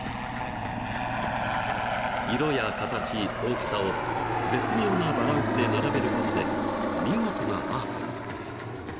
［色や形大きさを絶妙なバランスで並べることで見事なアートに］